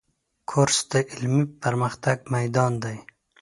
کورس د علمي پرمختګ میدان دی.